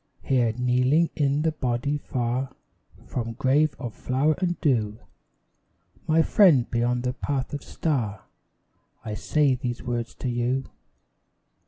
Here, kneeling in the body, far From grave of flower and dew, My friend beyond the path of star, I say these words to you.